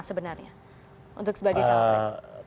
sebenarnya untuk sebagai cowok presiden